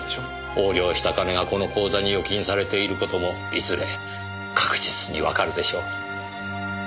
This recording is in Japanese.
横領した金がこの口座に預金されている事もいずれ確実にわかるでしょう。